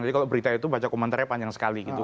jadi kalau berita itu baca komentarnya panjang sekali gitu